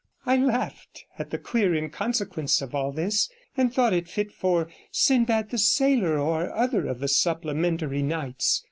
I laughed at the queer inconsequence of all this, and thought it fit for 'Sinbad the Sailor,' or other of the supplementary Nights.